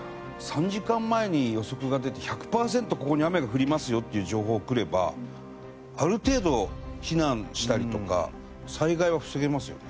３時間前に予測が出て１００パーセントここに雨が降りますよっていう情報がくればある程度避難したりとか災害は防げますよね。